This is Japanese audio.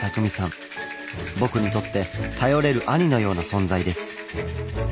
僕にとって頼れる兄のような存在です。